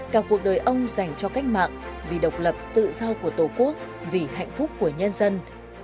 cả cuộc đời ông dành cho cách mạng vì độc lập tự do của tổ quốc vì hạnh phúc của nhân dân